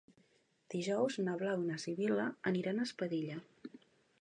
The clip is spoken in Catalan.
Dijous na Blau i na Sibil·la iran a Espadella.